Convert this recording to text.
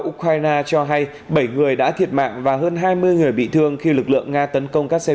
ukraine cho hay bảy người đã thiệt mạng và hơn hai mươi người bị thương khi lực lượng nga tấn công các xe